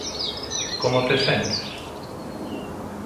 Como te sentes?